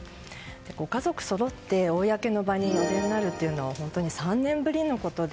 ご家族そろって公の場にお出になるというのは本当に３年ぶりのことで。